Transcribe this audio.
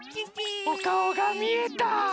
おかおがみえた！